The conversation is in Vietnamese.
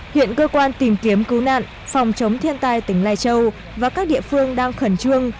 hiện cơ quan tìm kiếm cứu nạn phòng chống thiên tai tỉnh lai châu và các địa phương đang khẩn trương